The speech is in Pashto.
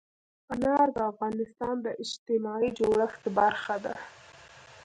انار د افغانستان د اجتماعي جوړښت برخه ده.